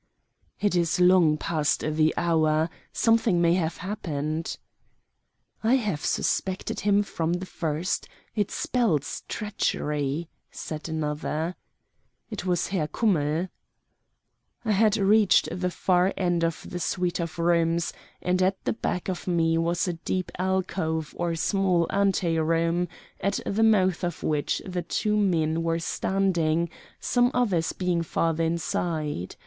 "It is long past the hour. Something may have happened." "I have suspected him from the first. It spells treachery," said another. It was Herr Kummell. I had reached the far end of the suite of rooms, and at the back of me was a deep alcove or small ante room, at the mouth of which the two men were standing, some others being farther inside.